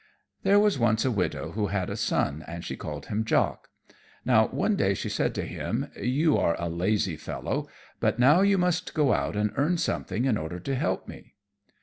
_ There was once a widow who had a son, and she called him Jock. Now, one day she said to him, "You are a lazy fellow, but now you must go out and earn something in order to help me."